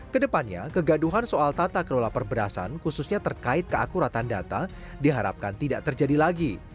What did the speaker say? kedepannya kegaduhan soal tata kelola perberasan khususnya terkait keakuratan data diharapkan tidak terjadi lagi